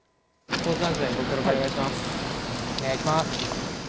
お願いします。